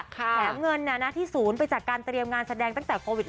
แถมเงินที่ศูนย์ไปจากการเตรียมงานแสดงตั้งแต่โควิด